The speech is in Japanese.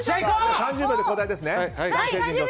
３０秒で交代ですね。